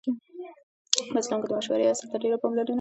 په اسلام کې د مشورې اصل ته ډېره پاملرنه کیږي.